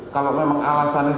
kalau memang alasan itu